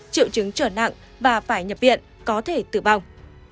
triệu chứng trở nặng và phải nhập viện có thể tử vong